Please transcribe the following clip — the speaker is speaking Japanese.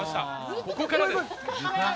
ここからです。